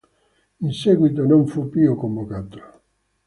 In seguito non fu più convocato.